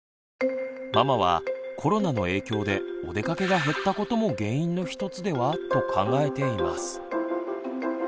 ママはコロナの影響でおでかけが減ったことも原因の１つでは？と考えています。